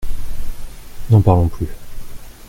N'en parlons plus.